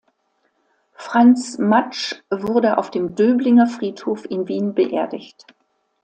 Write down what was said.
Franz Matsch wurde auf dem Döblinger Friedhof in Wien beerdigt.